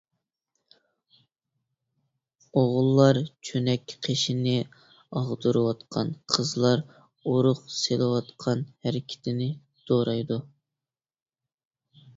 ئوغۇللار چۆنەك قېشىنى ئاغدۇرۇۋاتقان، قىزلار ئۇرۇق سېلىۋاتقان ھەرىكىتىنى دورايدۇ.